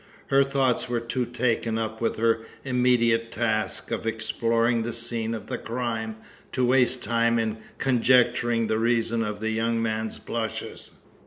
Her thoughts were too taken up with her immediate task of exploring the scene of the crime to waste time in conjecturing the reason of the young man's blushes.